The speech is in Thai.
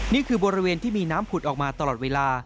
นี่คือบริเวณที่มีน้ำผุดออกมาตลอดเวลา